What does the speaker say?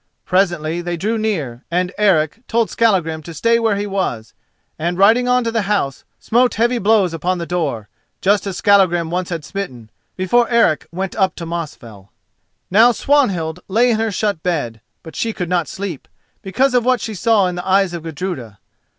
Presently they drew near, and Eric told Skallagrim to stay where he was, and riding on to the house, smote heavy blows upon the door, just as Skallagrim once had smitten, before Eric went up to Mosfell. Now Swanhild lay in her shut bed; but she could not sleep, because of what she saw in the eyes of Gudruda.